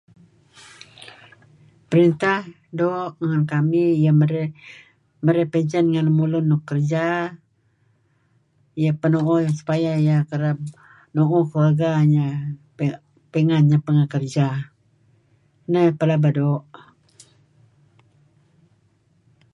Printah doo' ngen kamih iyeh marey pension ngen lemulun nuk kerja iyeh penuuh supaya iyeh kereb nuuh keluarganya pingan iyeh pangeh kerja. Neh iyeh pelaba doo' .